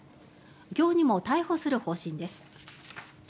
今日にも逮捕する方針です。